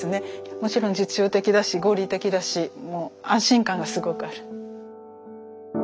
もちろん実用的だし合理的だし安心感がすごくある。